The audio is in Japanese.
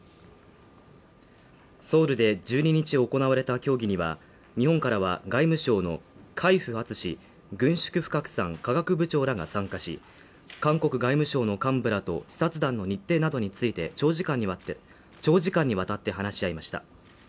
ソウルで１２日行われた協議には日本からは外務省の海部篤軍縮不拡散・科学部長らが参加し、韓国外務省の幹部らと視察団の日程などについて長時間に割って、長時間にわたって話し合いました。